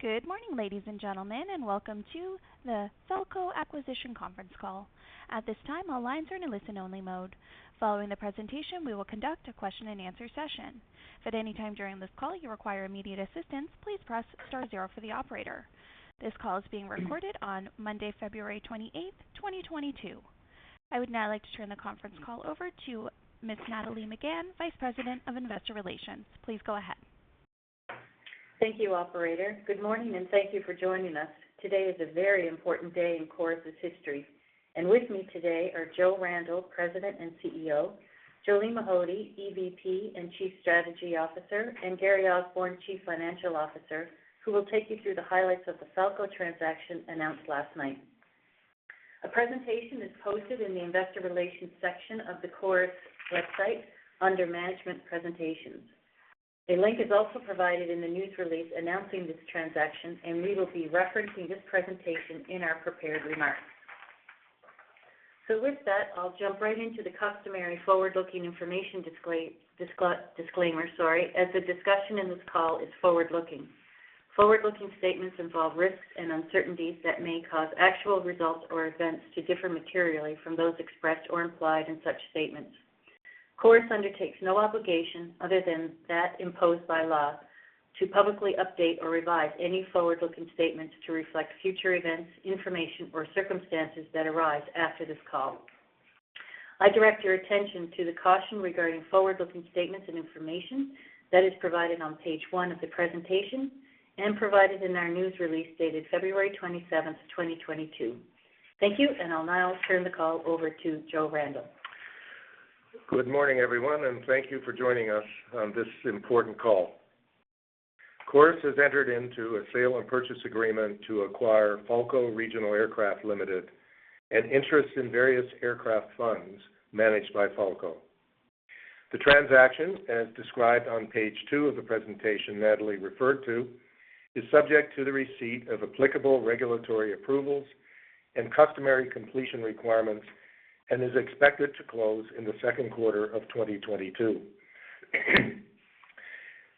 Good morning, ladies and gentlemen, and welcome to the Falko acquisition conference call. At this time, all lines are in a listen-only mode. Following the presentation, we will conduct a question-and-answer session. If at any time during this call you require immediate assistance, please press star zero for the operator. This call is being recorded on Monday, February 28, 2022. I would now like to turn the conference call over to Ms. Nathalie Megann, Vice President of Investor Relations. Please go ahead. Thank you, operator. Good morning, and thank you for joining us. Today is a very important day in Chorus' history, and with me today are Joe Randall, President and CEO, Jolene Mahody, EVP and Chief Strategy Officer, and Gary Osborne, Chief Financial Officer, who will take you through the highlights of the Falko transaction announced last night. A presentation is posted in the investor relations section of the Chorus website under Management Presentations. A link is also provided in the news release announcing this transaction, and we will be referencing this presentation in our prepared remarks. With that, I'll jump right into the customary forward-looking information disclaimer, as the discussion in this call is forward-looking. Forward-looking statements involve risks and uncertainties that may cause actual results or events to differ materially from those expressed or implied in such statements. Chorus undertakes no obligation other than that imposed by law to publicly update or revise any forward-looking statements to reflect future events, information, or circumstances that arise after this call. I direct your attention to the caution regarding forward-looking statements and information that is provided on page one of the presentation and provided in our news release dated February 27th, 2022. Thank you, and I'll now turn the call over to Joe Randall. Good morning, everyone, and thank you for joining us on this important call. Chorus has entered into a sale and purchase agreement to acquire Falko Regional Aircraft Limited, an interest in various aircraft funds managed by Falko. The transaction, as described on page two of the presentation Natalie referred to, is subject to the receipt of applicable regulatory approvals and customary completion requirements and is expected to close in the second quarter of 2022.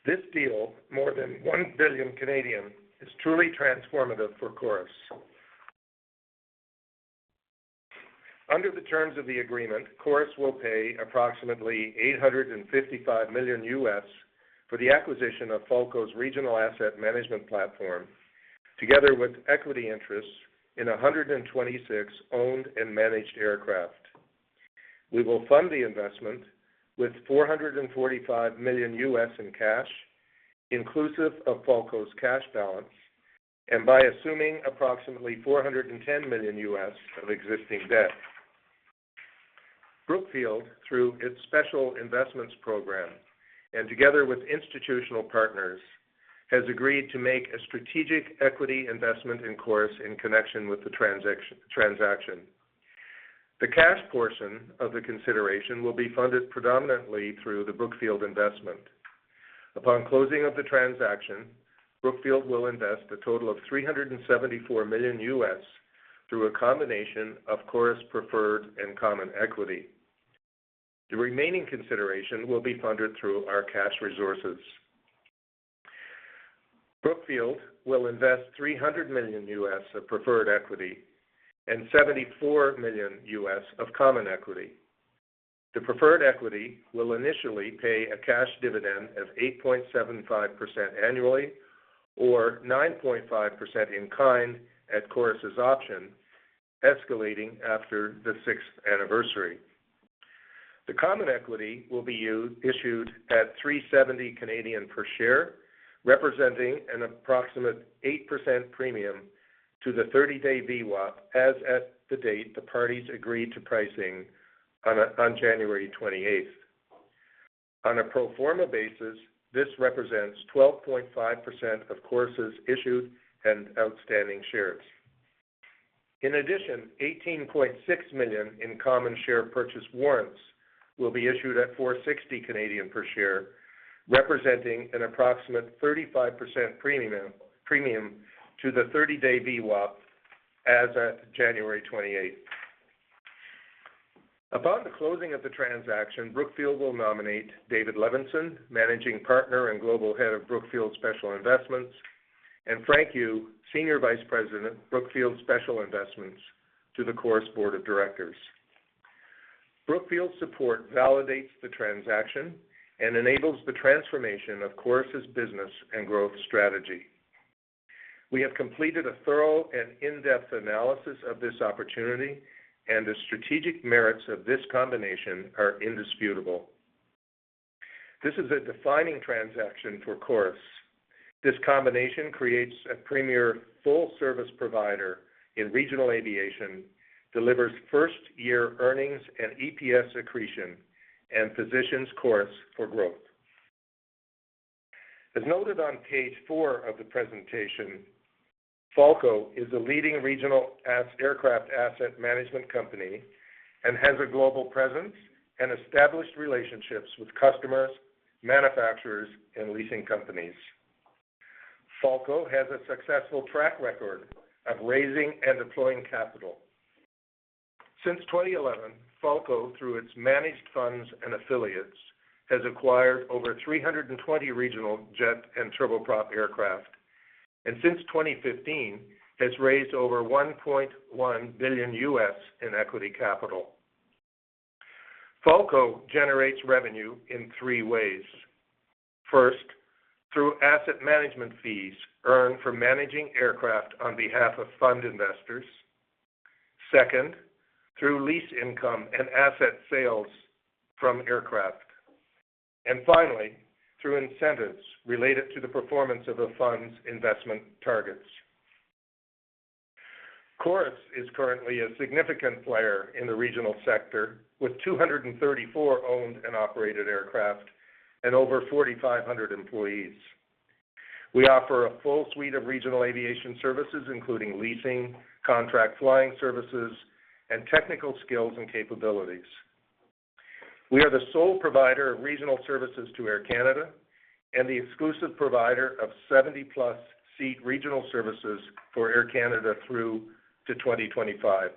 This deal, more than 1 billion, is truly transformative for Chorus. Under the terms of the agreement, Chorus will pay approximately $855 million for the acquisition of Falko's regional asset management platform, together with equity interests in 126 owned and managed aircraft. We will fund the investment with $445 million in cash, inclusive of Falko's cash balance, and by assuming approximately $410 million of existing debt. Brookfield, through its Special Investments program and together with institutional partners, has agreed to make a strategic equity investment in Chorus in connection with the transaction. The cash portion of the consideration will be funded predominantly through the Brookfield investment. Upon closing of the transaction, Brookfield will invest a total of $374 million through a combination of Chorus preferred and common equity. The remaining consideration will be funded through our cash resources. Brookfield will invest $300 million of preferred equity and $74 million of common equity. The preferred equity will initially pay a cash dividend of 8.75% annually or 9.5% in kind at Chorus' option, escalating after the sixth anniversary. The common equity will be issued at 370 per share, representing an approximate 8% premium to the 30-day VWAP as at the date the parties agreed to pricing on January 28. On a pro forma basis, this represents 12.5% of Chorus' issued and outstanding shares. In addition, 18.6 million in common share purchase warrants will be issued at 460 per share, representing an approximate 35% premium to the 30-day VWAP as at January 28. Upon the closing of the transaction, Brookfield will nominate David Levenson, Managing Partner and Global Head of Brookfield Special Investments, and Frank Yu, Senior Vice President, Brookfield Special Investments, to the Chorus Board of Directors. Brookfield's support validates the transaction and enables the transformation of Chorus' business and growth strategy. We have completed a thorough and in-depth analysis of this opportunity, and the strategic merits of this combination are indisputable. This is a defining transaction for Chorus. This combination creates a premier full-service provider in regional aviation, delivers first-year earnings and EPS accretion, and positions Chorus for growth. As noted on page four of the presentation, Falko is the leading regional aircraft asset management company and has a global presence and established relationships with customers, manufacturers, and leasing companies. Falko has a successful track record of raising and deploying capital. Since 2011, Falko, through its managed funds and affiliates, has acquired over 320 regional jet and turboprop aircraft, and since 2015 has raised over $1.1 billion in equity capital. Falko generates revenue in three ways. First, through asset management fees earned from managing aircraft on behalf of fund investors. Second, through lease income and asset sales from aircraft. Finally, through incentives related to the performance of a fund's investment targets. Chorus is currently a significant player in the regional sector, with 234 owned and operated aircraft and over 4,500 employees. We offer a full suite of regional aviation services, including leasing, contract flying services, and technical skills and capabilities. We are the sole provider of regional services to Air Canada and the exclusive provider of 70-plus seat regional services for Air Canada through to 2025.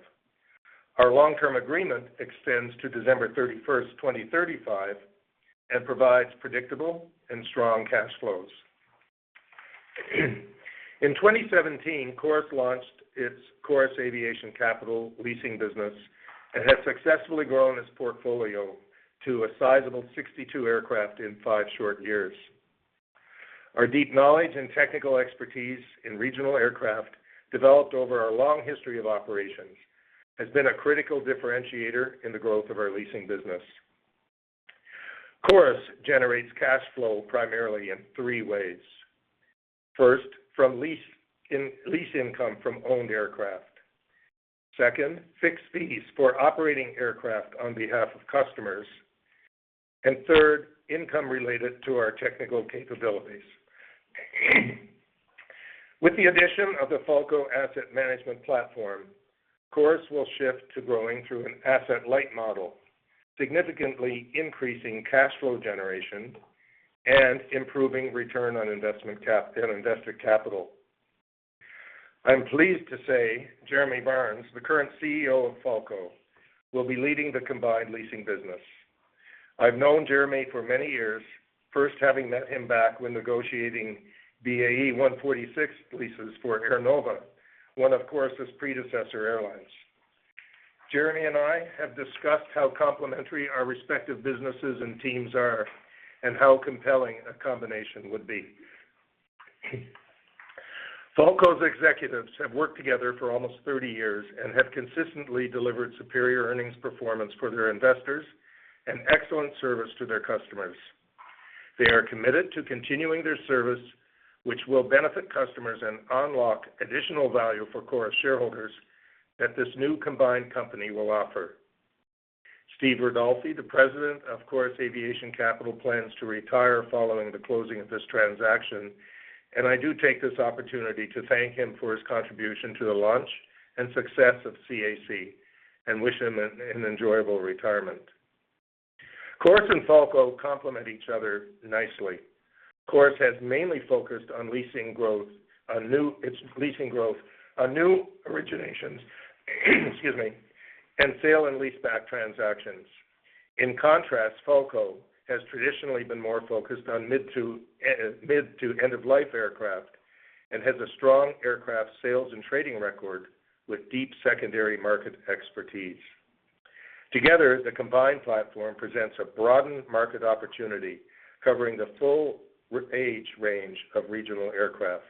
Our long-term agreement extends to December 31st, 2035 and provides predictable and strong cash flows. In 2017, Chorus launched its Chorus Aviation Capital leasing business and has successfully grown its portfolio to a sizable 62 aircraft in five short years. Our deep knowledge and technical expertise in regional aircraft, developed over our long history of operations, has been a critical differentiator in the growth of our leasing business. Chorus generates cash flow primarily in three ways. First, from leasing income from owned aircraft. Second, fixed fees for operating aircraft on behalf of customers. Third, income related to our technical capabilities. With the addition of the Falko asset management platform, Chorus will shift to growing through an asset-light model, significantly increasing cash flow generation and improving return on invested capital. I'm pleased to say Jeremy Burns, the current CEO of Falko, will be leading the combined leasing business. I've known Jeremy for many years, first having met him back when negotiating BAe 146 leases for Air Nova, one of Chorus' predecessor airlines. Jeremy and I have discussed how complementary our respective businesses and teams are and how compelling a combination would be. Falko's executives have worked together for almost 30 years and have consistently delivered superior earnings performance for their investors and excellent service to their customers. They are committed to continuing their service, which will benefit customers and unlock additional value for Chorus shareholders that this new combined company will offer. Steven Ridolfi, the President of Chorus Aviation Capital, plans to retire following the closing of this transaction, and I do take this opportunity to thank him for his contribution to the launch and success of CAC and wish him an enjoyable retirement. Chorus and Falko complement each other nicely. Chorus has mainly focused on leasing growth on new originations, excuse me, and sale and leaseback transactions. In contrast, Falko has traditionally been more focused on mid-to-end of life aircraft and has a strong aircraft sales and trading record with deep secondary market expertise. Together, the combined platform presents a broadened market opportunity, covering the full age range of regional aircraft.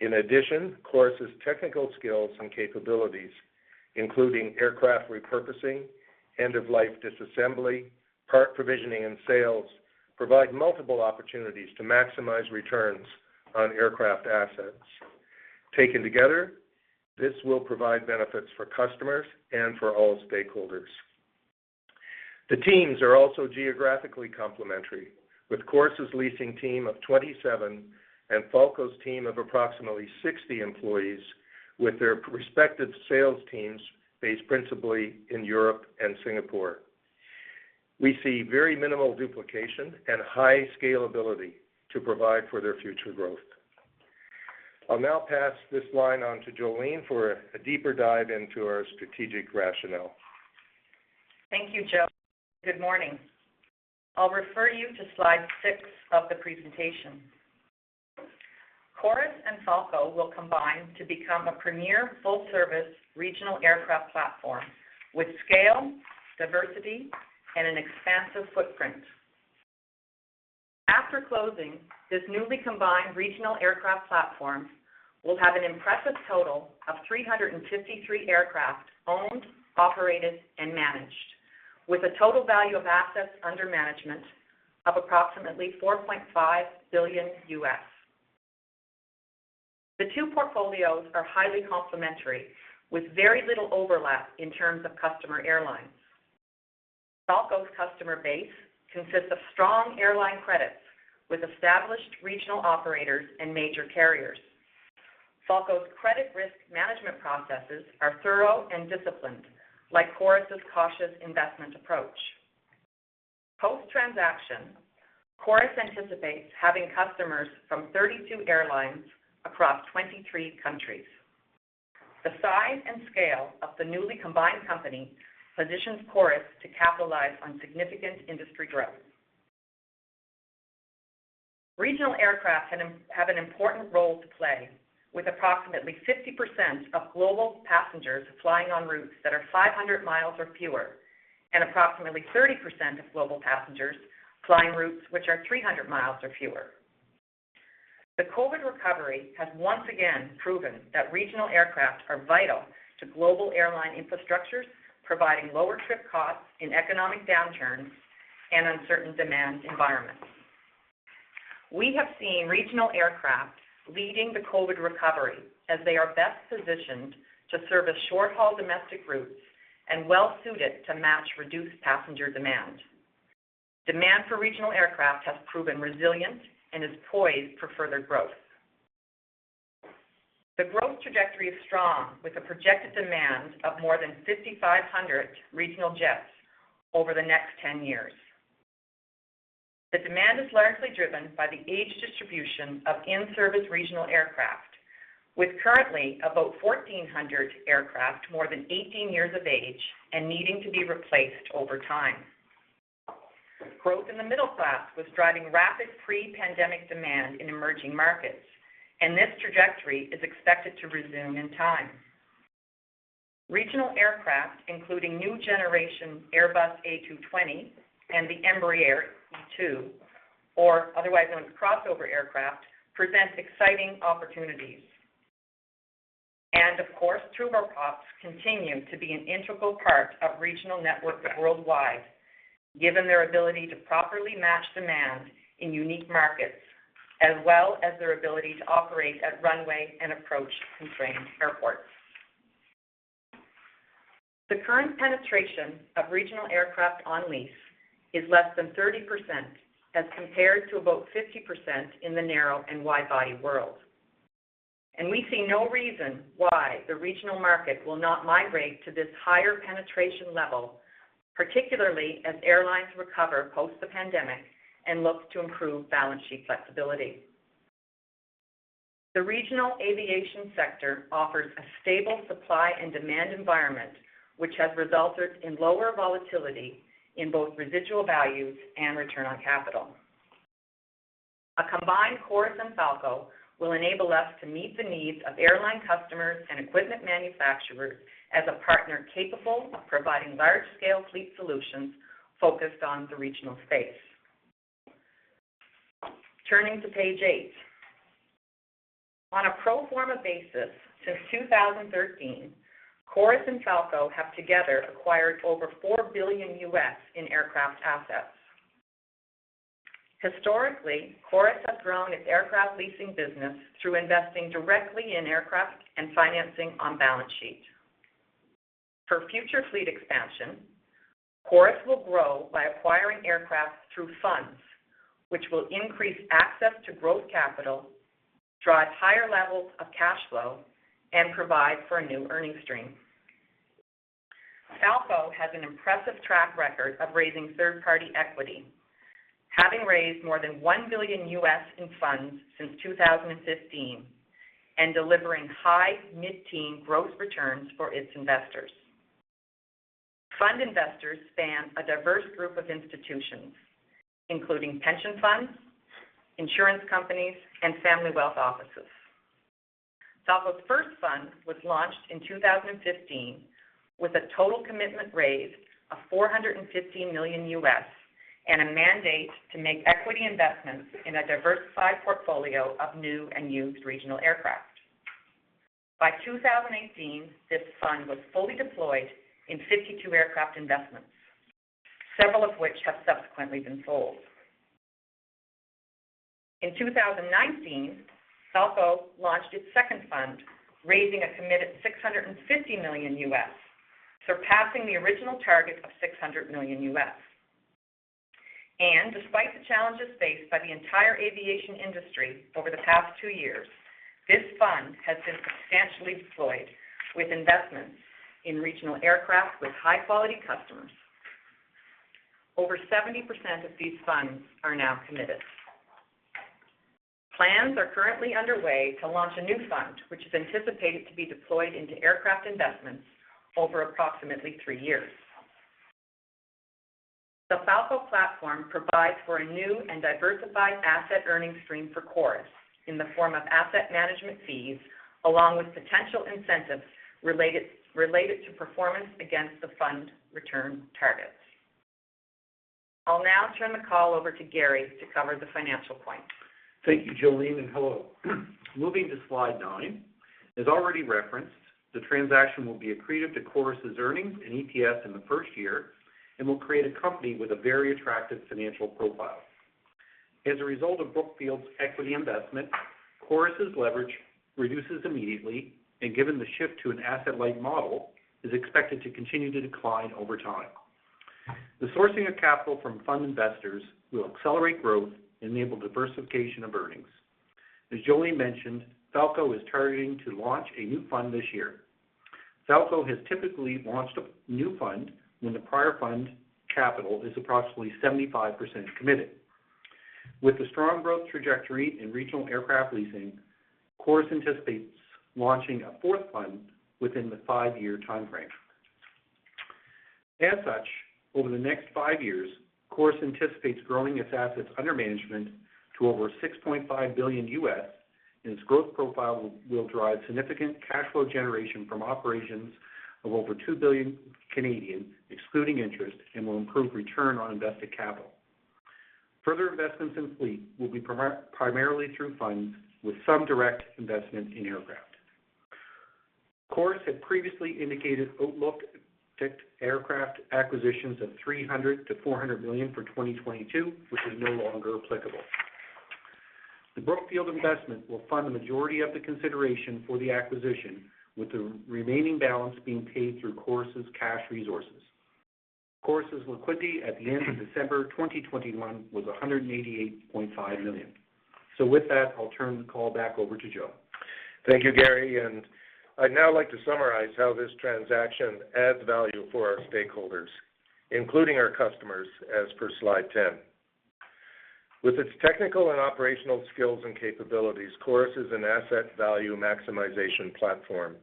In addition, Chorus' technical skills and capabilities, including aircraft repurposing, end-of-life disassembly, part provisioning, and sales, provide multiple opportunities to maximize returns on aircraft assets. Taken together, this will provide benefits for customers and for all stakeholders. The teams are also geographically complementary, with Chorus' leasing team of 27 and Falko's team of approximately 60 employees with their respective sales teams based principally in Europe and Singapore. We see very minimal duplication and high scalability to provide for their future growth. I'll now pass this line on to Jolene for a deeper dive into our strategic rationale. Thank you, Joe. Good morning. I'll refer you to slide six of the presentation. Chorus and Falko will combine to become a premier full-service regional aircraft platform with scale, diversity, and an expansive footprint. After closing, this newly combined regional aircraft platform will have an impressive total of 353 aircraft owned, operated, and managed, with a total value of assets under management of approximately $4.5 billion. The two portfolios are highly complementary, with very little overlap in terms of customer airlines. Falko's customer base consists of strong airline credits with established regional operators and major carriers. Falko's credit risk management processes are thorough and disciplined, like Chorus' cautious investment approach. Post-transaction, Chorus anticipates having customers from 32 airlines across 23 countries. The size and scale of the newly combined company positions Chorus to capitalize on significant industry growth. Regional aircraft have an important role to play with approximately 50% of global passengers flying on routes that are 500 miles or fewer, and approximately 30% of global passengers flying routes which are 300 miles or fewer. The COVID recovery has once again proven that regional aircraft are vital to global airline infrastructures, providing lower trip costs in economic downturns and uncertain demand environments. We have seen regional aircraft leading the COVID recovery as they are best positioned to service short-haul domestic routes and well suited to match reduced passenger demand. Demand for regional aircraft has proven resilient and is poised for further growth. The growth trajectory is strong, with a projected demand of more than 5,500 regional jets over the next 10 years. The demand is largely driven by the age distribution of in-service regional aircraft, with currently about 1,400 aircraft more than 18 years of age and needing to be replaced over time. Growth in the middle class was driving rapid pre-pandemic demand in emerging markets, and this trajectory is expected to resume in time. Regional aircraft, including new generation Airbus A220 and the Embraer E2, or otherwise known as crossover aircraft, present exciting opportunities. Of course, turboprops continue to be an integral part of regional networks worldwide, given their ability to properly match demand in unique markets, as well as their ability to operate at runway and approach constrained airports. The current penetration of regional aircraft on lease is less than 30% as compared to about 50% in the narrow and wide body world. We see no reason why the regional market will not migrate to this higher penetration level, particularly as airlines recover post the pandemic and look to improve balance sheet flexibility. The regional aviation sector offers a stable supply and demand environment, which has resulted in lower volatility in both residual values and return on capital. A combined Chorus and Falko will enable us to meet the needs of airline customers and equipment manufacturers as a partner capable of providing large-scale fleet solutions focused on the regional space. Turning to page eight. On a pro forma basis since 2013, Chorus and Falko have together acquired over $4 billion in aircraft assets. Historically, Chorus has grown its aircraft leasing business through investing directly in aircraft and financing on balance sheet. For future fleet expansion, Chorus will grow by acquiring aircraft through funds, which will increase access to growth capital, drive higher levels of cash flow, and provide for a new earnings stream. Falko has an impressive track record of raising third-party equity, having raised more than $1 billion in funds since 2015, and delivering high mid-teen growth returns for its investors. Fund investors span a diverse group of institutions, including pension funds, insurance companies, and family wealth offices. Falko's first fund was launched in 2015 with a total commitment raise of $450 million, and a mandate to make equity investments in a diversified portfolio of new and used regional aircraft. By 2018, this fund was fully deployed in 52 aircraft investments, several of which have subsequently been sold. In 2019, Falko launched its second fund, raising a committed $650 million, surpassing the original target of $600 million. Despite the challenges faced by the entire aviation industry over the past two years, this fund has been substantially deployed with investments in regional aircraft with high-quality customers. Over 70% of these funds are now committed. Plans are currently underway to launch a new fund, which is anticipated to be deployed into aircraft investments over approximately three years. The Falko platform provides for a new and diversified asset earnings stream for Chorus in the form of asset management fees, along with potential incentives related to performance against the fund return targets. I'll now turn the call over to Gary to cover the financial points. Thank you, Jolene, and hello. Moving to slide nine. As already referenced, the transaction will be accretive to Chorus' earnings and EPS in the first year and will create a company with a very attractive financial profile. As a result of Brookfield's equity investment, Chorus' leverage reduces immediately, and given the shift to an asset-light model, is expected to continue to decline over time. The sourcing of capital from fund investors will accelerate growth and enable diversification of earnings. As Jolene mentioned, Falko is targeting to launch a new fund this year. Falko has typically launched a new fund when the prior fund capital is approximately 75% committed. With the strong growth trajectory in regional aircraft leasing, Chorus anticipates launching a fourth fund within the five-year time frame. As such, over the next five years, Chorus anticipates growing its assets under management to over $6.5 billion, and its growth profile will drive significant cash flow generation from operations of over 2 billion, excluding interest, and will improve return on invested capital. Further investments in fleet will be primarily through funds with some direct investment in aircraft. Chorus had previously indicated outlook aircraft acquisitions of 300 million-400 million for 2022, which is no longer applicable. The Brookfield Investment will fund the majority of the consideration for the acquisition, with the remaining balance being paid through Chorus' cash resources. Chorus' liquidity at the end of December 2021 was 188.5 million. With that, I'll turn the call back over to Joe. Thank you, Gary. I'd now like to summarize how this transaction adds value for our stakeholders, including our customers, as per slide 10. With its technical and operational skills and capabilities, Chorus is an asset value maximization platform,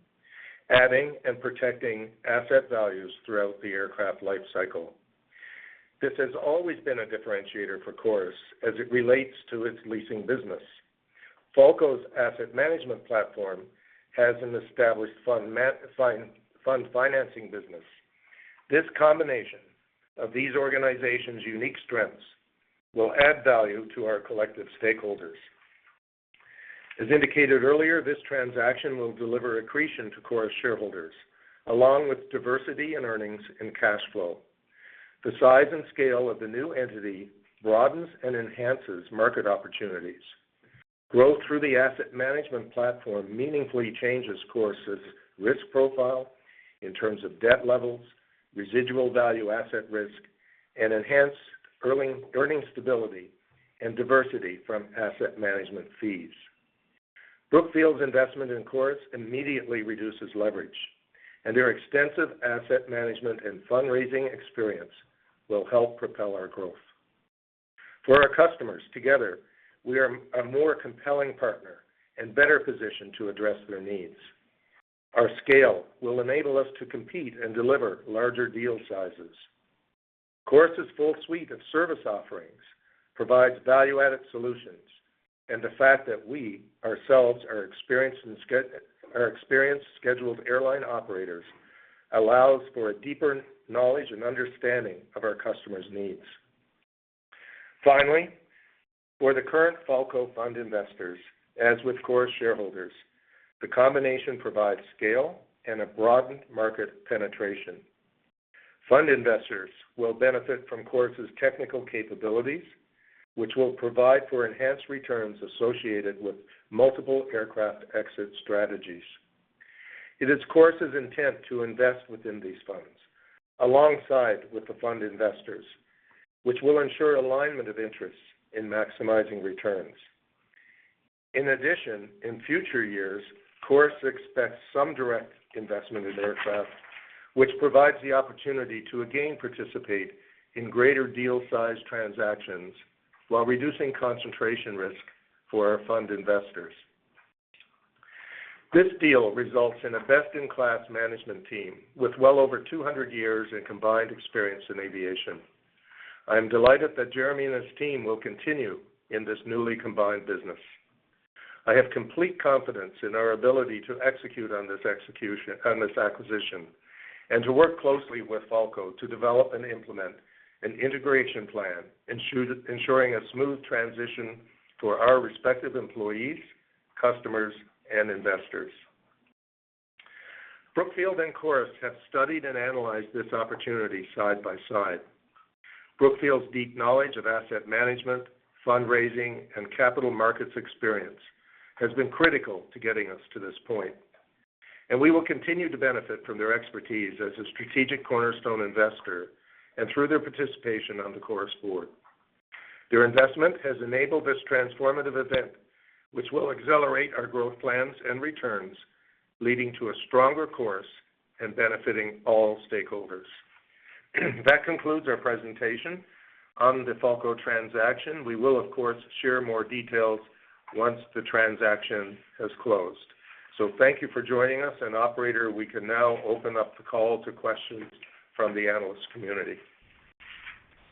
adding and protecting asset values throughout the aircraft life cycle. This has always been a differentiator for Chorus as it relates to its leasing business. Falko's asset management platform has an established fund financing business. This combination of these organizations' unique strengths will add value to our collective stakeholders. As indicated earlier, this transaction will deliver accretion to Chorus shareholders, along with diversity in earnings and cash flow. The size and scale of the new entity broadens and enhances market opportunities. Growth through the asset management platform meaningfully changes Chorus' risk profile in terms of debt levels, residual value asset risk, and enhanced earning stability and diversity from asset management fees. Brookfield's investment in Chorus immediately reduces leverage, and their extensive asset management and fundraising experience will help propel our growth. For our customers, together, we are a more compelling partner and better positioned to address their needs. Our scale will enable us to compete and deliver larger deal sizes. Chorus' full suite of service offerings provides value-added solutions, and the fact that we ourselves are experienced scheduled airline operators allows for a deeper knowledge and understanding of our customers' needs. Finally, for the current Falko fund investors, as with Chorus shareholders, the combination provides scale and a broadened market penetration. Fund investors will benefit from Chorus' technical capabilities, which will provide for enhanced returns associated with multiple aircraft exit strategies. It is Chorus' intent to invest within these funds alongside with the fund investors, which will ensure alignment of interests in maximizing returns. In addition, in future years, Chorus expects some direct investment in aircraft, which provides the opportunity to again participate in greater deal size transactions while reducing concentration risk for our fund investors. This deal results in a best-in-class management team with well over 200 years in combined experience in aviation. I am delighted that Jeremy and his team will continue in this newly combined business. I have complete confidence in our ability to execute on this acquisition and to work closely with Falko to develop and implement an integration plan, ensuring a smooth transition for our respective employees, customers, and investors. Brookfield and Chorus have studied and analyzed this opportunity side by side. Brookfield's deep knowledge of asset management, fundraising, and capital markets experience has been critical to getting us to this point, and we will continue to benefit from their expertise as a strategic cornerstone investor and through their participation on the Chorus board. Their investment has enabled this transformative event, which will accelerate our growth plans and returns, leading to a stronger Chorus and benefiting all stakeholders. That concludes our presentation on the Falko transaction. We will, of course, share more details once the transaction has closed. Thank you for joining us. Operator, we can now open up the call to questions from the analyst community.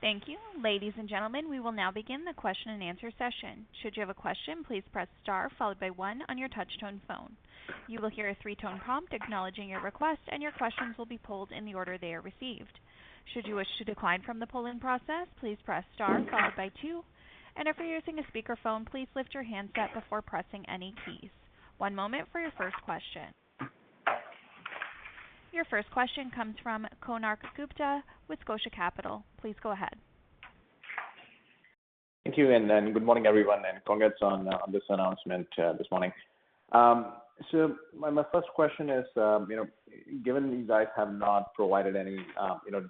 Thank you. Ladies and gentlemen, we will now begin the question-and-answer session. Should you have a question, please press star followed by one on your touch-tone phone. You will hear a three-tone prompt acknowledging your request, and your questions will be pulled in the order they are received. Should you wish to decline from the pull-in process, please press star followed by two. If you're using a speakerphone, please lift your handset before pressing any keys. One moment for your first question. Your first question comes from Konark Gupta with Scotia Capital. Please go ahead. Thank you. Good morning, everyone, and congrats on this announcement this morning. My first question is, given you guys have not provided any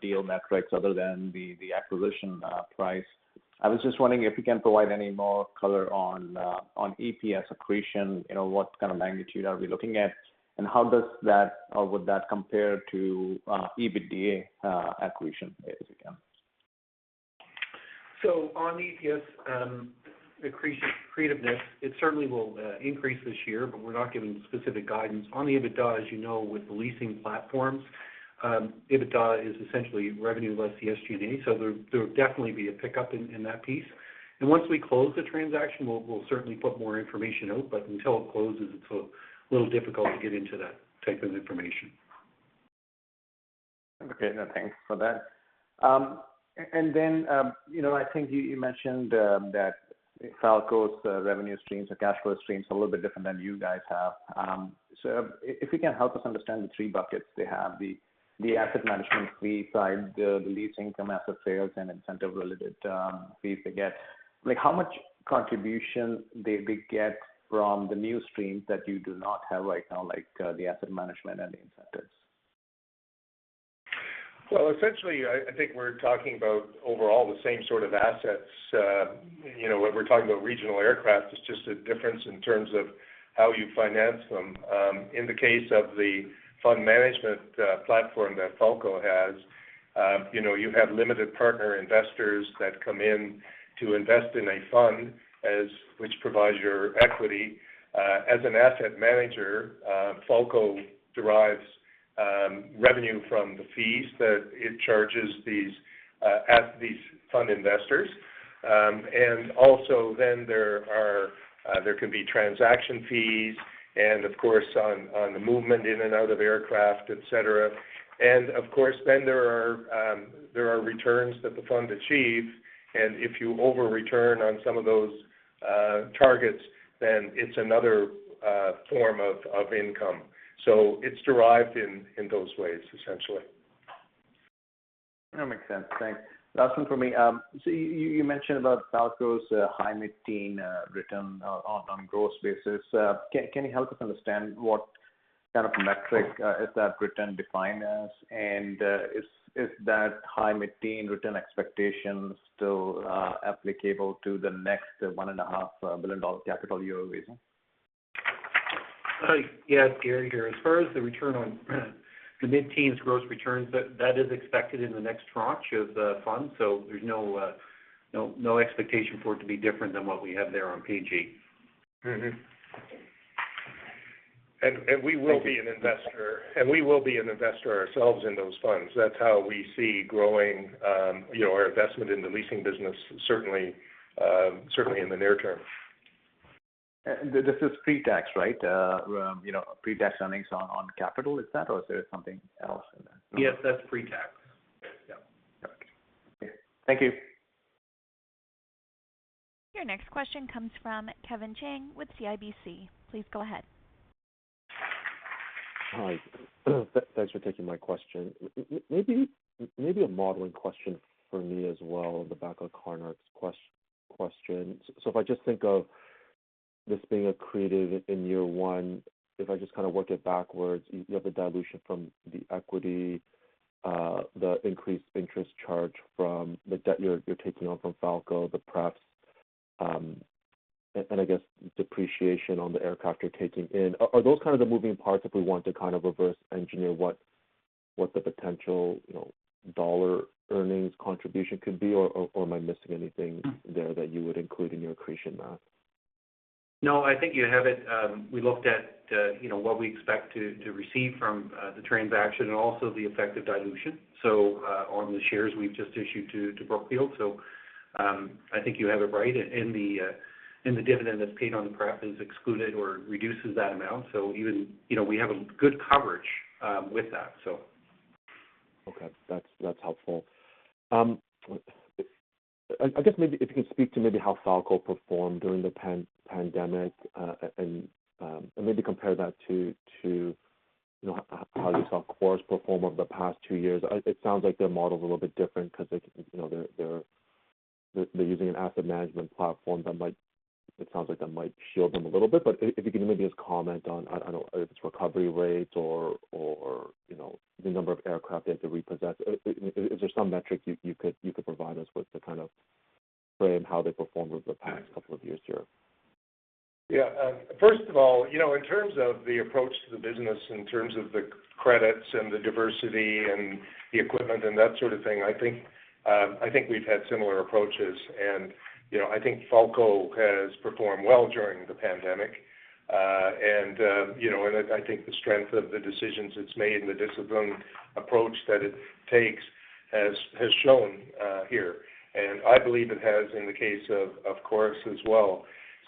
deal metrics other than the acquisition price, I was just wondering if you can provide any more color on EPS accretion, you know, what kind of magnitude are we looking at? How does that or would that compare to EBITDA accretion as it can? On EPS, accretion, accretiveness, it certainly will increase this year, but we're not giving specific guidance. On the EBITDA, as you know, with the leasing platforms, EBITDA is essentially revenue less the SG&A. There will definitely be a pickup in that piece. Once we close the transaction, we'll certainly put more information out, but until it closes, it's a little difficult to get into that type of information. Okay. No, thanks for that. You know, I think you mentioned that Falko's revenue streams or cash flow streams are a little bit different than you guys have. If we can help us understand the three buckets they have, the asset management fee side, the leasing from asset sales and incentive-related fees they get. Like, how much contribution they get from the new streams that you do not have right now, like, the asset management and the incentives? Well, essentially, I think we're talking about overall the same sort of assets. You know, when we're talking about regional aircraft, it's just a difference in terms of how you finance them. In the case of the fund management platform that Falko has, you know, you have limited partner investors that come in to invest in a fund, which provides your equity. As an asset manager, Falko derives revenue from the fees that it charges these fund investors. Also then there could be transaction fees and of course, on the movement in and out of aircraft, et cetera. Of course, then there are returns that the fund achieves, and if you over-return on some of those targets, then it's another form of income. It's derived in those ways, essentially. That makes sense. Thanks. Last one for me. You mentioned about Falko's high mid-teen return on gross basis. Can you help us understand what kind of metric is that return defined as? Is that high mid-teen return expectation still applicable to the next $1.5 billion capital you are raising? Yeah. Gary here. As far as the return on the mid-teens gross returns, that is expected in the next tranche of the fund. There's no expectation for it to be different than what we have there on page eight. We will be an investor ourselves in those funds. That's how we see growing, you know, our investment in the leasing business, certainly in the near term. This is pre-tax, right? You know, pre-tax earnings on capital, is that or is there something else in there? Yes, that's pre-tax. Yeah. Okay. Thank you. Your next question comes from Kevin Chiang with CIBC. Please go ahead. Hi. Thanks for taking my question. Maybe a modeling question for me as well on the back of Konark's question. If I just think of this being accretive in year one, if I just kinda work it backwards, you have the dilution from the equity, the increased interest charge from the debt you're taking on from Falko, the prefs, and I guess depreciation on the aircraft you're taking in. Are those kind of the moving parts if we want to kind of reverse engineer what the potential, you know, dollar earnings contribution could be or am I missing anything there that you would include in your accretion math? No, I think you have it. We looked at, you know, what we expect to receive from the transaction and also the effect of dilution on the shares we've just issued to Brookfield. I think you have it right. The dividend that's paid on the prep is excluded or reduces that amount. Even, you know, we have a good coverage with that. Okay. That's helpful. I guess maybe if you could speak to maybe how Falko performed during the pandemic, and maybe compare that to, you know, how you saw Chorus perform over the past two years. It sounds like their model is a little bit different 'cause they, you know, they're using an asset management platform that might, it sounds like that might shield them a little bit. But if you can maybe just comment on, I don't know, if it's recovery rates or, you know, the number of aircraft they had to repossess. Is there some metric you could provide us with to kind of frame how they performed over the past couple of years here? Yeah. First of all, you know, in terms of the approach to the business, in terms of the credits and the diversity and the equipment and that sort of thing, I think we've had similar approaches. You know, I think Falko has performed well during the pandemic. You know, I think the strength of the decisions it's made and the disciplined approach that it takes has shown here. I believe it has in the case of Chorus as well.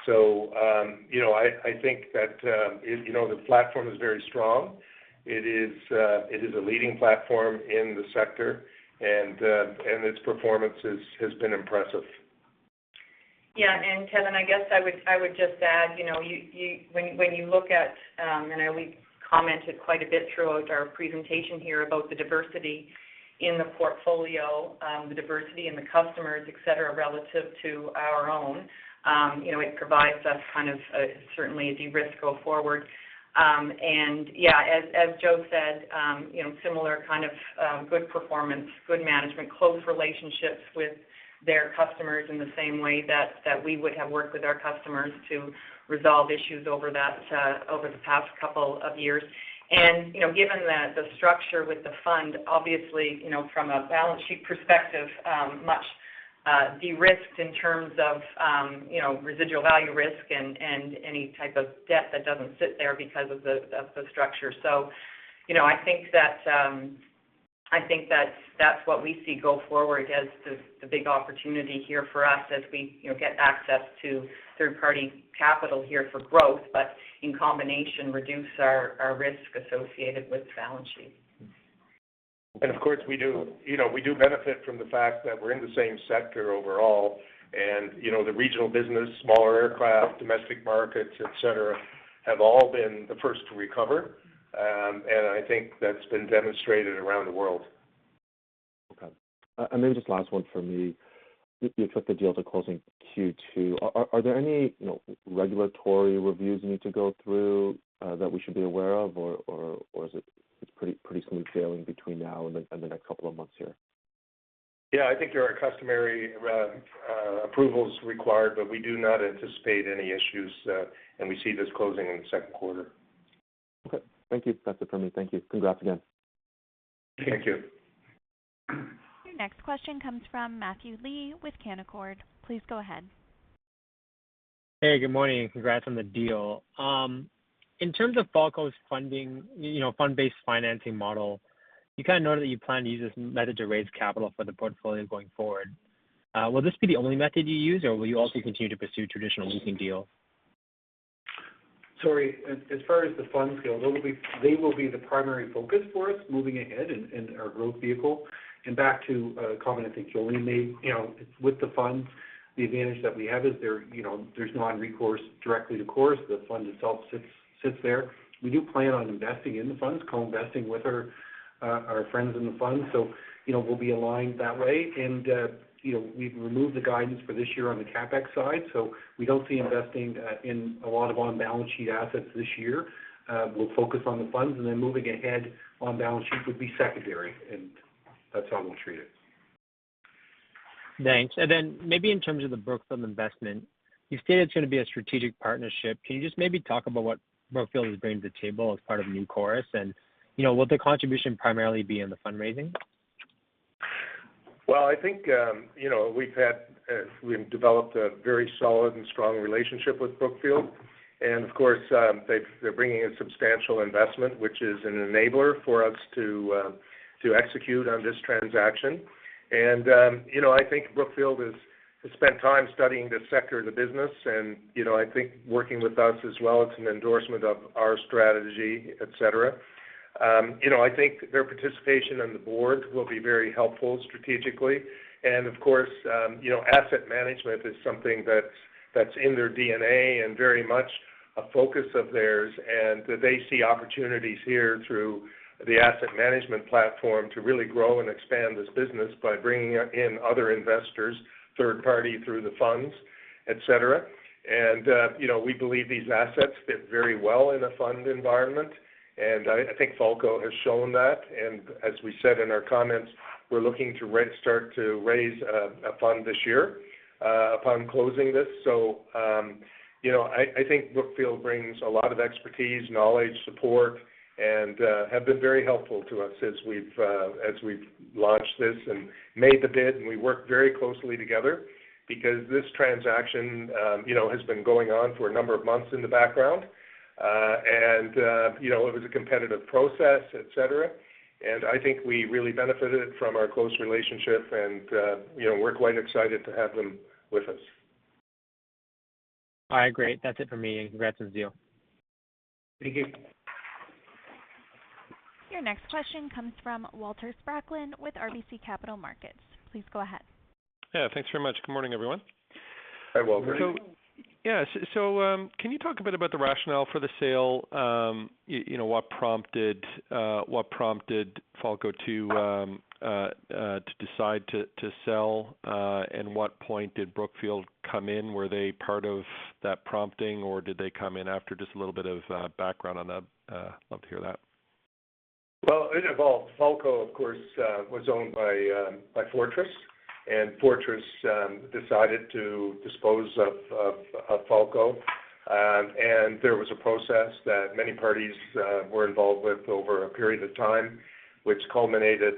You know, I think that it, you know, the platform is very strong. It is a leading platform in the sector, and its performance has been impressive. Yeah. Kevin, I guess I would just add, you know, when you look at, and we commented quite a bit throughout our presentation here about the diversity in the portfolio, the diversity in the customers, et cetera, relative to our own. You know, it provides us kind of certainly a de-risk go forward. Yeah, as Joe said, you know, similar kind of good performance, good management, close relationships with their customers in the same way that we would have worked with our customers to resolve issues over the past couple of years. You know, given that the structure with the fund, obviously, you know, from a balance sheet perspective, much de-risked in terms of you know, residual value risk and any type of debt that doesn't sit there because of the structure. You know, I think that that's what we see go forward as the big opportunity here for us as we you know get access to third-party capital here for growth, but in combination, reduce our risk associated with balance sheet. Of course, we do, you know, we do benefit from the fact that we're in the same sector overall. You know, the regional business, smaller aircraft, domestic markets, et cetera, have all been the first to recover. I think that's been demonstrated around the world. Okay. Maybe just last one from me. You expect the deal to close in Q2. Are there any, you know, regulatory reviews you need to go through that we should be aware of, or is it just pretty smooth sailing between now and the next couple of months here? Yeah. I think there are customary approvals required, but we do not anticipate any issues, and we see this closing in the second quarter. Okay. Thank you. That's it for me. Thank you. Congrats again. Thank you. Your next question comes from Matthew Lee with Canaccord. Please go ahead. Hey, good morning. Congrats on the deal. In terms of Falko's funding, you know, fund-based financing model, you kinda noted that you plan to use this method to raise capital for the portfolio going forward. Will this be the only method you use, or will you also continue to pursue traditional leasing deals? Sorry. As far as the funds go, they will be the primary focus for us moving ahead in our growth vehicle. Back to a comment I think Jolene made, you know, with the funds, the advantage that we have is there, you know, there's non-recourse directly to Chorus. The fund itself sits there. We do plan on investing in the funds, co-investing with our our friends in the fund. You know, we'll be aligned that way. You know, we've removed the guidance for this year on the CapEx side, so we don't see investing in a lot of on-balance sheet assets this year. We'll focus on the funds, and then moving ahead on balance sheet would be secondary, and that's how we'll treat it. Thanks. Maybe in terms of the Brookfield investment, you've stated it's gonna be a strategic partnership. Can you just maybe talk about what Brookfield is bringing to the table as part of the new Chorus? You know, will the contribution primarily be in the fundraising? Well, I think, you know, we've developed a very solid and strong relationship with Brookfield. Of course, they're bringing a substantial investment, which is an enabler for us to execute on this transaction. You know, I think Brookfield has spent time studying the sector of the business and, you know, I think working with us as well, it's an endorsement of our strategy, et cetera. You know, I think their participation on the board will be very helpful strategically. Of course, you know, asset management is something that's in their DNA and very much a focus of theirs. They see opportunities here through the asset management platform to really grow and expand this business by bringing in other investors, third party through the funds, et cetera. You know, we believe these assets fit very well in a fund environment, and I think Falko has shown that. As we said in our comments, we're looking to start to raise a fund this year upon closing this. You know, I think Brookfield brings a lot of expertise, knowledge, support, and have been very helpful to us as we've launched this and made the bid, and we worked very closely together because this transaction, you know, has been going on for a number of months in the background. You know, it was a competitive process, et cetera. I think we really benefited from our close relationship, and you know, we're quite excited to have them with us. All right, great. That's it for me. Congrats on the deal. Thank you. Your next question comes from Walter Spracklin with RBC Capital Markets. Please go ahead. Yeah, thanks very much. Good morning, everyone. Hi, Walter. Yeah. Can you talk a bit about the rationale for the sale? You know, what prompted Falko to decide to sell, and what point did Brookfield come in? Were they part of that prompting, or did they come in after? Just a little bit of background on that. Love to hear that. Well, it involved Falko, of course, was owned by Fortress, and Fortress decided to dispose of Falko. There was a process that many parties were involved with over a period of time, which culminated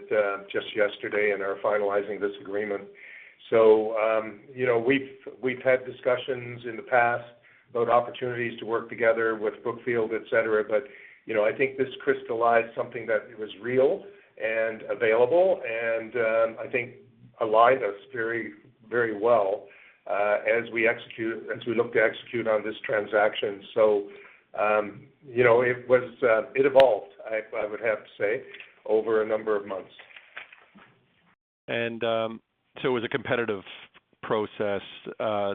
just yesterday in our finalizing this agreement. You know, we've had discussions in the past about opportunities to work together with Brookfield, et cetera, but, you know, I think this crystallized something that it was real and available and, I think aligned us very, very well, as we look to execute on this transaction. You know, it evolved, I would have to say, over a number of months. It was a competitive process. A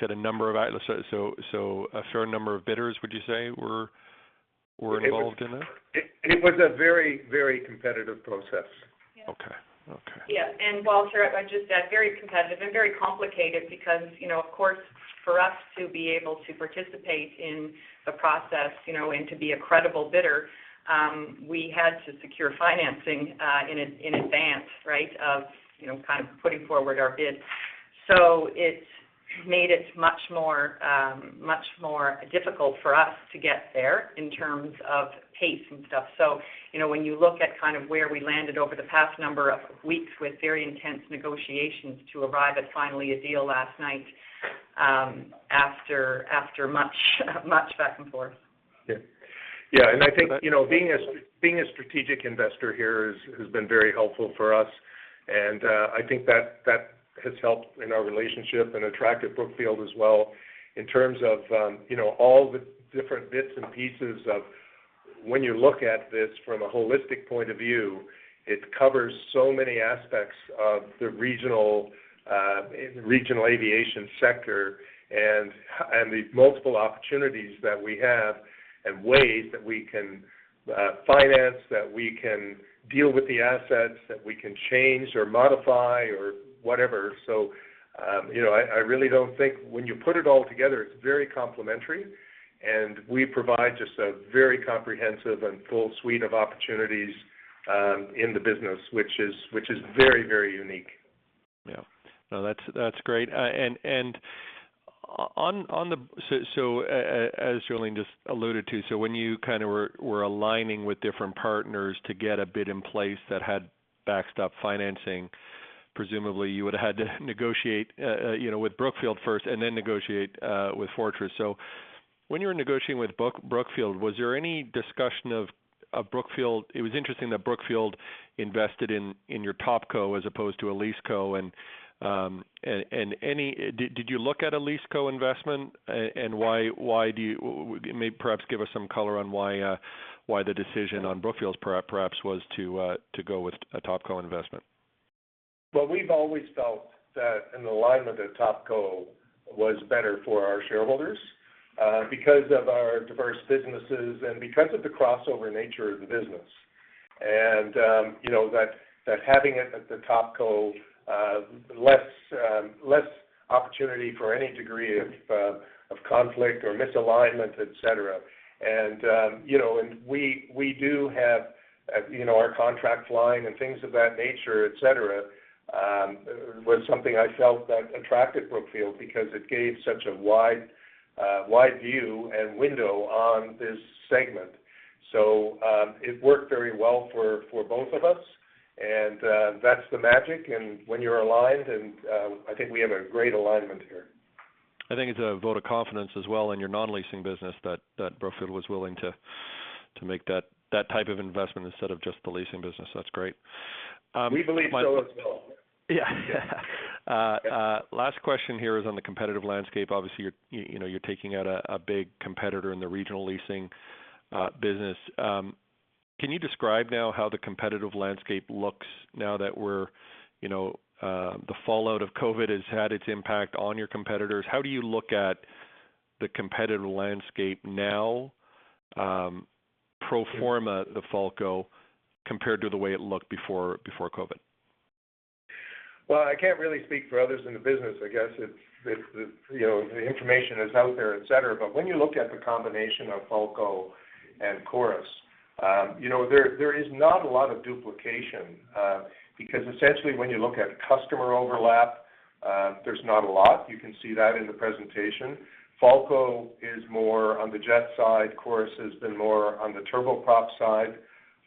fair number of bidders, would you say, were involved in this? It was a very, very competitive process. Okay. Okay. Yeah. Walter, I'd just add very competitive and very complicated because, you know, of course, for us to be able to participate in the process, you know, and to be a credible bidder, we had to secure financing in advance, right? Of, you know, kind of putting forward our bid. It made it much more difficult for us to get there in terms of pace and stuff. You know, when you look at kind of where we landed over the past number of weeks with very intense negotiations to arrive at finally a deal last night, after much back and forth. Yeah. Yeah. I think, you know, being a strategic investor here has been very helpful for us. I think that has helped in our relationship and attracted Brookfield as well, in terms of, you know, all the different bits and pieces of when you look at this from a holistic point of view, it covers so many aspects of the regional aviation sector and the multiple opportunities that we have and ways that we can finance, that we can deal with the assets, that we can change or modify or whatever. You know, I really don't think when you put it all together, it's very complementary, and we provide just a very comprehensive and full suite of opportunities in the business, which is very, very unique. Yeah. No, that's great. As Jolene just alluded to, when you were aligning with different partners to get a bid in place that had backstop financing, presumably you would've had to negotiate, you know, with Brookfield first and then negotiate with Fortress. When you were negotiating with Brookfield, was there any discussion of Brookfield. It was interesting that Brookfield invested in your top co as opposed to a lease co, and did you look at a lease co investment? Why, maybe perhaps give us some color on why the decision on Brookfield perhaps was to go with a top co investment. Well, we've always felt that an alignment at top co was better for our shareholders, because of our diverse businesses and because of the crossover nature of the business. You know, that having it at the top co less opportunity for any degree of conflict or misalignment, et cetera. You know, we do have our contract flying and things of that nature, et cetera, was something I felt that attracted Brookfield because it gave such a wide view and window on this segment. It worked very well for both of us. That's the magic and when you're aligned, I think we have a great alignment here. I think it's a vote of confidence as well in your non-leasing business that Brookfield was willing to make that type of investment instead of just the leasing business. That's great. We believe so as well. Yeah. Last question here is on the competitive landscape. Obviously, you know, you're taking out a big competitor in the regional leasing business. Can you describe now how the competitive landscape looks now that we're, you know, the fallout of COVID has had its impact on your competitors? How do you look at the competitive landscape now, pro forma the Falko compared to the way it looked before COVID? Well, I can't really speak for others in the business. I guess it's you know, the information is out there, et cetera. When you look at the combination of Falko and Chorus, you know, there is not a lot of duplication, because essentially when you look at customer overlap, there's not a lot. You can see that in the presentation. Falko is more on the jet side, Chorus has been more on the turboprop side.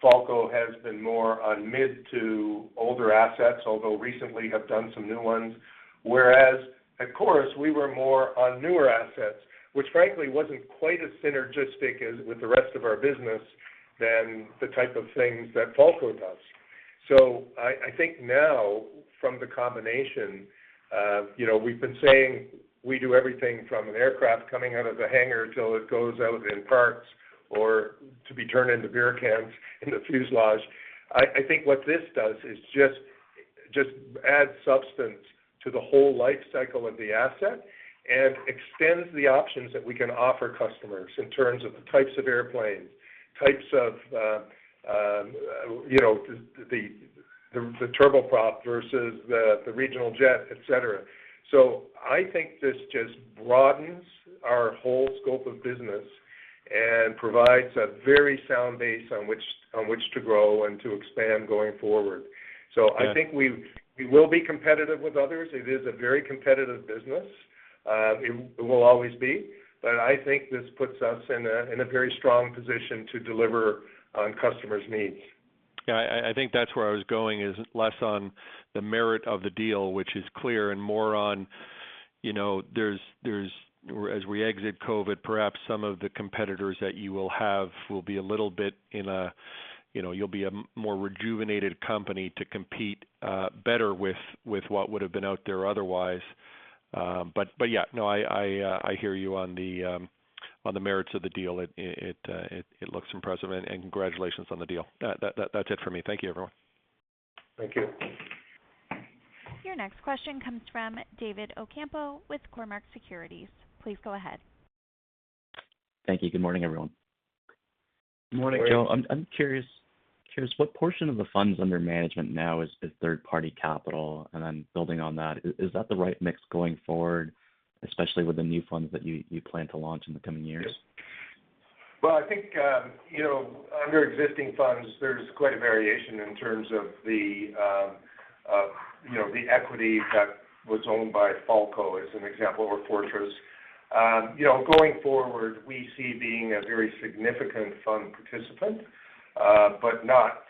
Falko has been more on mid to older assets, although recently have done some new ones. Whereas at Chorus, we were more on newer assets, which frankly wasn't quite as synergistic as with the rest of our business than the type of things that Falko does. I think now from the combination of, you know, we've been saying we do everything from an aircraft coming out of the hangar till it goes out in parts or to be turned into beer cans in the fuselage. I think what this does is just add substance to the whole life cycle of the asset and extends the options that we can offer customers in terms of the types of airplanes, you know, the turboprop versus the regional jet, et cetera. I think this just broadens our whole scope of business and provides a very sound base on which to grow and to expand going forward. Yeah. I think we will be competitive with others. It is a very competitive business. It will always be. I think this puts us in a very strong position to deliver on customers' needs. Yeah. I think that's where I was going, is less on the merit of the deal, which is clear and more on, you know, there's. As we exit COVID, perhaps some of the competitors that you will have will be a little bit in a, you know, you'll be a more rejuvenated company to compete better with what would have been out there otherwise. Yeah, no, I hear you on the merits of the deal, it looks impressive, and congratulations on the deal. That's it for me. Thank you, everyone. Thank you. Your next question comes from David Ocampo with Cormark Securities. Please go ahead. Thank you. Good morning, everyone. Good morning. Joe, I'm curious what portion of the funds under management now is third-party capital? Building on that, is that the right mix going forward, especially with the new funds that you plan to launch in the coming years? Well, I think, you know, under existing funds, there's quite a variation in terms of the, you know, the equity that was owned by Falko, as an example, or Fortress. You know, going forward, we see being a very significant fund participant, but not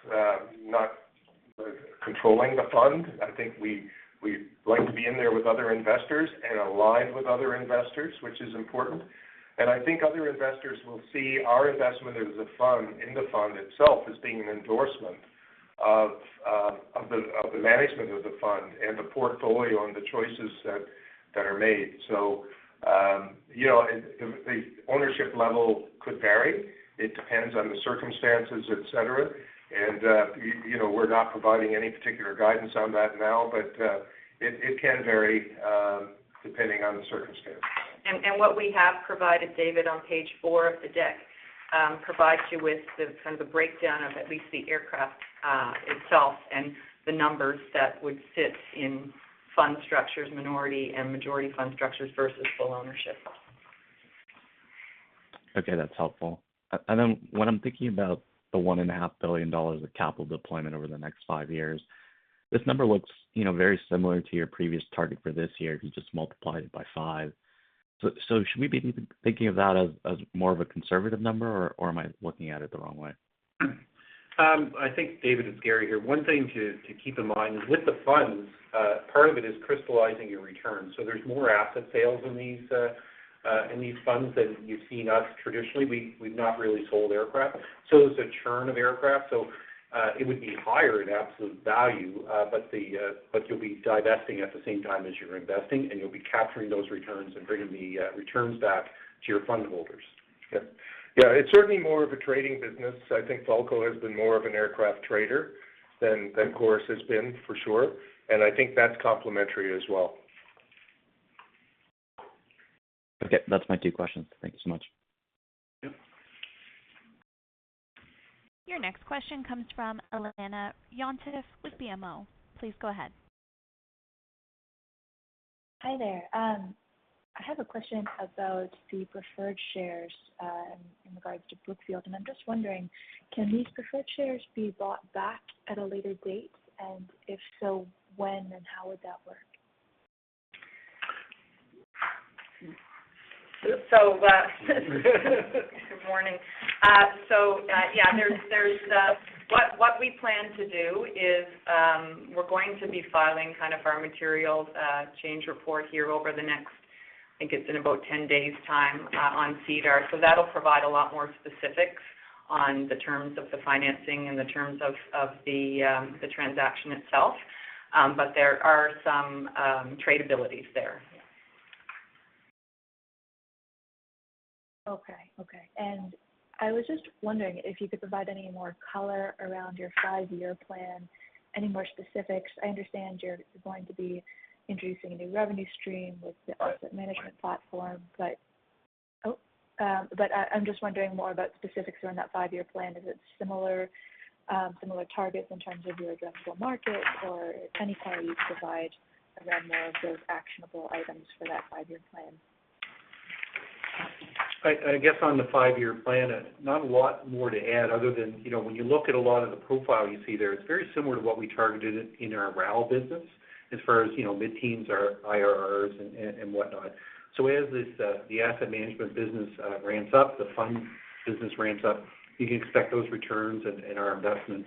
controlling the fund. I think we like to be in there with other investors and aligned with other investors, which is important. I think other investors will see our investment as a fund, in the fund itself as being an endorsement of the management of the fund and the portfolio and the choices that are made. You know, the ownership level could vary. It depends on the circumstances, et cetera. You know, we're not providing any particular guidance on that now, but it can vary depending on the circumstances. What we have provided, David, on page four of the deck, provides you with the kind of the breakdown of at least the aircraft itself and the numbers that would sit in fund structures, minority and majority fund structures versus full ownership. Okay, that's helpful. When I'm thinking about the 1.5 billion dollars of capital deployment over the next five years, this number looks, you know, very similar to your previous target for this year if you just multiplied it by five. Should we be thinking of that as more of a conservative number, or am I looking at it the wrong way? I think, David, it's Gary here. One thing to keep in mind is with the funds, part of it is crystallizing your return. There's more asset sales in these funds than you've seen us traditionally. We've not really sold aircraft, so it's a churn of aircraft. It would be higher in absolute value, but you'll be divesting at the same time as you're investing, and you'll be capturing those returns and bringing the returns back to your fund holders. Yeah. Yeah, it's certainly more of a trading business. I think Falko has been more of an aircraft trader than Chorus has been for sure, and I think that's complementary as well. Okay. That's my two questions. Thank you so much. Yep. Your next question comes from Alana Yontef with BMO. Please go ahead. Hi there. I have a question about the preferred shares, in regards to Brookfield, and I'm just wondering, can these preferred shares be bought back at a later date? If so, when and how would that work? Good morning. What we plan to do is we're going to be filing kind of our material change report here over the next, I think it's in about 10 days' time, on SEDAR. That'll provide a lot more specifics on the terms of the financing and the terms of the transaction itself. There are some tradabilities there. Okay. I was just wondering if you could provide any more color around your five-year plan, any more specifics. I understand you're going to be introducing a new revenue stream with the asset management platform, but I'm just wondering more about specifics around that five-year plan. Is it similar targets in terms of your addressable market, or any color you'd provide around more of those actionable items for that five-year plan? I guess on the five-year plan, not a lot more to add other than, you know, when you look at a lot of the profile you see there, it's very similar to what we targeted in our RAL business as far as, you know, mid-teens or IRRs and whatnot. As this, the asset management business ramps up, the fund business ramps up, you can expect those returns and our investment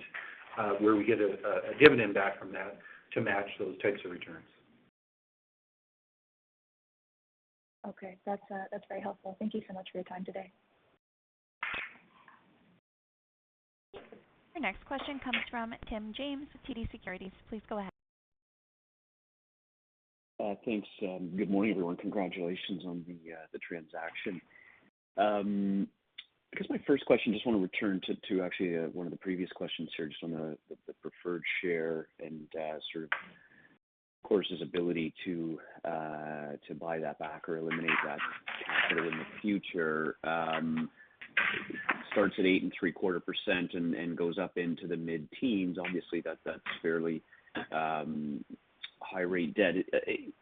where we get a dividend back from that to match those types of returns. Okay. That's very helpful. Thank you so much for your time today. Your next question comes from Tim James with TD Securities. Please go ahead. Thanks. Good morning, everyone. Congratulations on the transaction. I guess my first question, just want to return to actually one of the previous questions here, just on the preferred share and sort of Chorus' ability to buy that back or eliminate that capital in the future. It starts at 8.75% and goes up into the mid-teens%. Obviously, that's fairly high rate debt.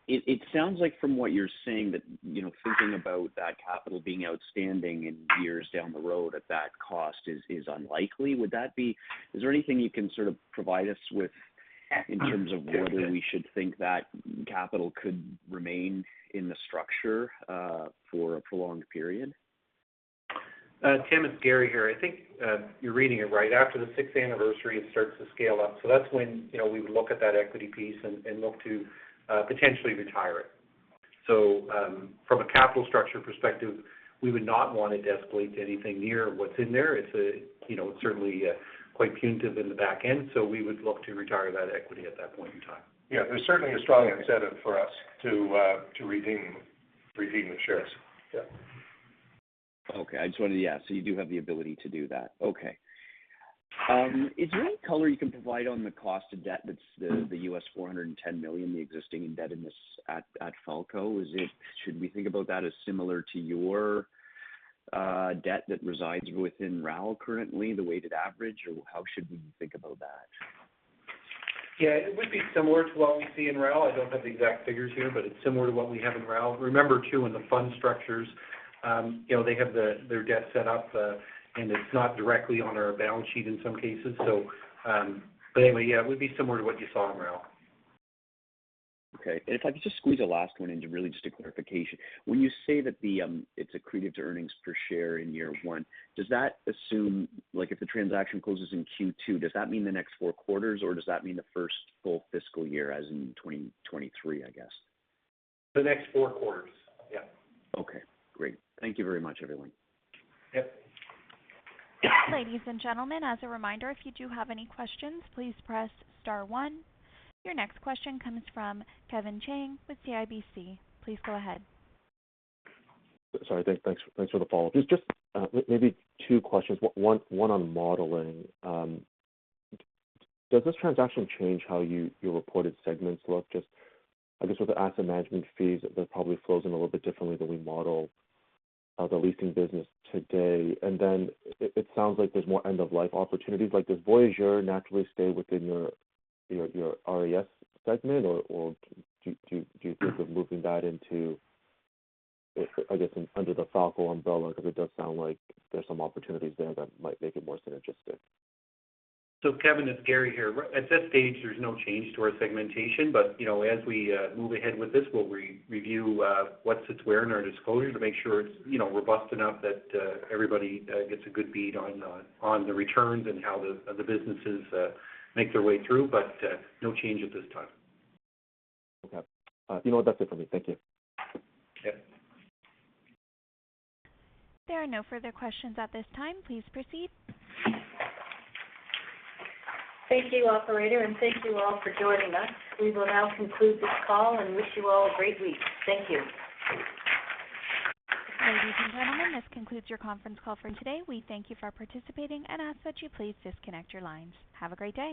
It sounds like from what you're saying that, you know, thinking about that capital being outstanding in years down the road at that cost is unlikely. Would that be? Is there anything you can sort of provide us with in terms of whether we should think that capital could remain in the structure for a prolonged period? Tim, it's Gary here. I think you're reading it right. After the sixth anniversary, it starts to scale up. That's when, you know, we would look at that equity piece and look to potentially retire it. From a capital structure perspective, we would not want to deescalate to anything near what's in there. It's, you know, it's certainly quite punitive in the back end. We would look to retire that equity at that point in time. Yeah. There's certainly a strong incentive for us to redeem the shares. Yeah. Okay. I just wanted to ask. You do have the ability to do that. Okay. Is there any color you can provide on the cost of debt that's the $410 million, the existing debt in this at Falko? Is it? Should we think about that as similar to your debt that resides within RAL currently, the weighted average? Or how should we think about that? Yeah. It would be similar to what we see in RAL. I don't have the exact figures here, but it's similar to what we have in RAL. Remember too, in the fund structures, you know, they have their debt set up, and it's not directly on our balance sheet in some cases. But anyway, yeah, it would be similar to what you saw in RAL. Okay. If I could just squeeze a last one in, really just a clarification. When you say that the it's accretive to earnings per share in year one, does that assume like if the transaction closes in Q2, does that mean the next four quarters, or does that mean the first full fiscal year as in 2023, I guess? The next four quarters. Yeah. Okay, great. Thank you very much, everyone. Yep. Ladies and gentlemen, as a reminder, if you do have any questions, please press star one. Your next question comes from Kevin Chiang with CIBC. Please go ahead. Sorry. Thanks for the follow-up. There's just maybe two questions, one on modeling. Does this transaction change how you reported segments look just I guess with the asset management fees, they're probably flow in a little bit differently than we model the leasing business today. It sounds like there's more end of life opportunities. Like does Voyageur naturally stay within your RAS segment or do you think of moving that into I guess under the Falko umbrella, because it does sound like there's some opportunities there that might make it more synergistic. Kevin, it's Gary here. At this stage, there's no change to our segmentation. You know, as we move ahead with this, we'll review what sits where in our disclosure to make sure it's robust enough that everybody gets a good bead on the returns and how the businesses make their way through. No change at this time. Okay. You know what? That's it for me. Thank you. There are no further questions at this time. Please proceed. Thank you, operator, and thank you all for joining us. We will now conclude this call and wish you all a great week. Thank you. Ladies and gentlemen, this concludes your conference call for today. We thank you for participating and ask that you please disconnect your lines. Have a great day.